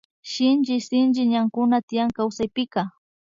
Shinchi sinchi ñankuna tiyan kawsaypika